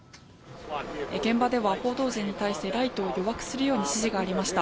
現場では報道陣に対してライトを弱くするように指示がありました。